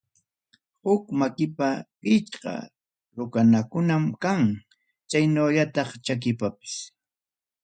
Huk makipiqa pichqa rukanakunam kan, chaynallataq chakipipas.